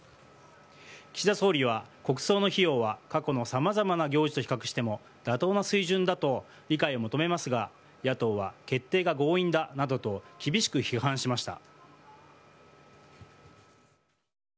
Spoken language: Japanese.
岸田総理は国葬の費用は過去のさまざまな行事と比較しても妥当な水準だと理解を求めますが野党は決定が強引だなどと厳しく批判しました。